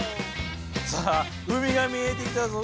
さあ海が見えてきたぞ。